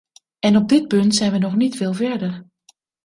En op dit punt zijn we nog niet veel verder.